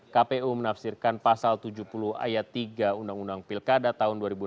kpu menafsirkan pasal tujuh puluh ayat tiga undang undang pilkada tahun dua ribu enam belas